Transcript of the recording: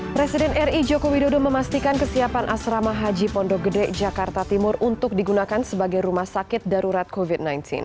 presiden ri joko widodo memastikan kesiapan asrama haji pondok gede jakarta timur untuk digunakan sebagai rumah sakit darurat covid sembilan belas